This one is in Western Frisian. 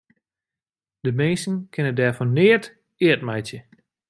De minsken kinne dêr fan neat eat meitsje.